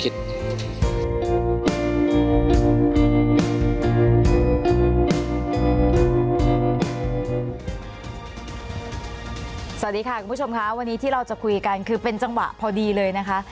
สวัสดีค่ะคุณผู้ชมค่ะวันนี้ที่เราจะคุยกันคือเป็นจังหวะพอดีเลยนะคะ